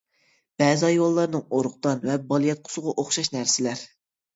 بەزى ھايۋانلارنىڭ ئۇرۇقدان ۋە بالىياتقۇسىغا ئوخشاش نەرسىلەر.